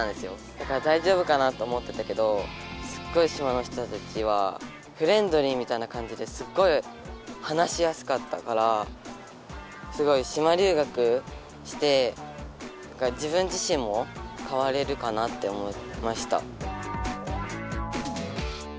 だから「だいじょうぶかな？」と思ってたけどすっごい島の人たちはフレンドリーみたいな感じですっごい話しやすかったからすごい島留学して自分自しんもかわれるかなって思いました。